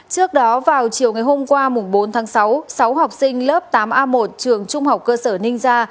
trước đó vào chiều ngày hôm qua bốn tháng sáu sáu học sinh lớp tám a một trường trung học cơ sở ninh gia